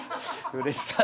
うれしい。